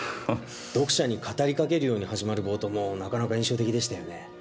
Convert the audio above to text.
読者に語りかけるように始まる冒頭もなかなか印象的でしたよね。